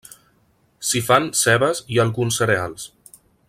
S'hi fan cebes i alguns cereals.